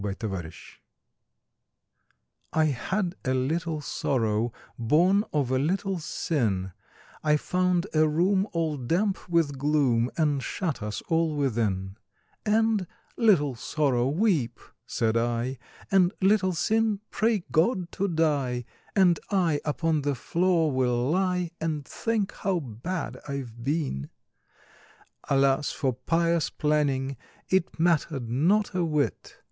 63 The Penitent I had a little Sorrow, Born of a little Sin, I found a room all damp with gloom And shut us all within; And, "Little Sorrow, weep," said I, "And, Little Sin, pray God to die, And I upon the floor will lie And think how bad I've been!" Alas for pious planning— It mattered not a whit!